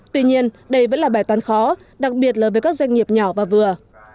tuy nhiên đây vẫn là bài toán khó đặc biệt là với các doanh nghiệp nhỏ và vừa